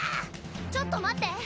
ちょっと待って！